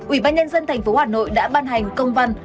ủy ban nhân dân thành phố hà nội đã ban hành công văn